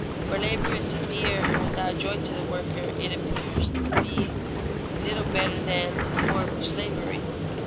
Where labor is severe and without joy to the worker, it appears to be little better than a form of slavery.